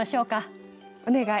お願い。